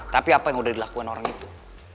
tapi apa yang udah dilakukan orang itu